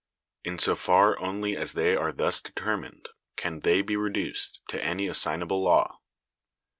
In so far only as they are thus determined, can they be reduced to any assignable law.